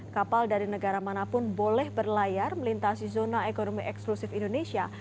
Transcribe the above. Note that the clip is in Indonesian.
kapal dari negara manapun boleh berlayar melintasi zona ekonomi eksklusif indonesia